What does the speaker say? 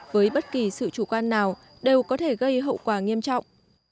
với bất kỳ sự chủ quan nào đều có thể gây hậu quả nghiêm trọng